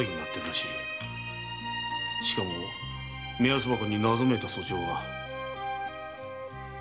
しかも目安箱にも謎めいた訴状が。